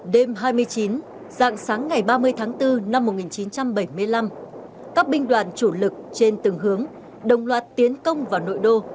đêm hai mươi chín dạng sáng ngày ba mươi tháng bốn năm một nghìn chín trăm bảy mươi năm các binh đoàn chủ lực trên từng hướng đồng loạt tiến công vào nội đô